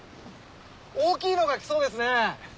大きいのがきそうですね。